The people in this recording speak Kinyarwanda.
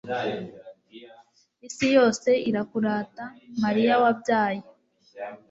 isi yose irakurata, mariya wabyaye